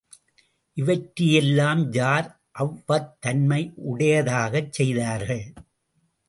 இவற்றையெல்லாம் யார் அவ்வத்தன்மை உடையதாகச் செய்தார்கள்.